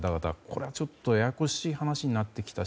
これはちょっとややこしい話になってきた